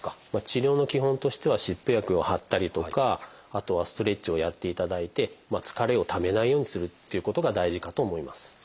治療の基本としては湿布薬を貼ったりとかあとはストレッチをやっていただいて疲れをためないようにするっていうことが大事かと思います。